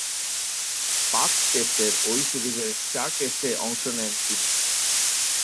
পাঁচ টেস্টের ঐ সিরিজের চার টেস্টে অংশ নেন তিনি।